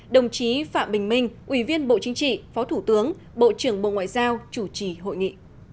đồng chí phạm bình minh ủy viên bộ chính trị phó thủ tướng bộ trưởng bộ ngoại giao chủ trì hội nghị